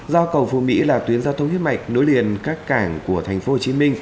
do cầu phú mỹ là tuyến giao thông huyết mạch nối liền các cảng của tp hcm